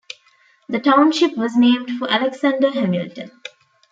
The township was named for Alexander Hamilton.